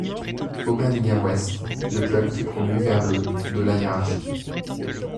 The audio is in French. Oberliga West, le club fut promu vers le de la hiérarchie.